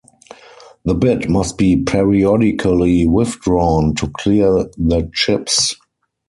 The bit must be periodically withdrawn to clear the chips.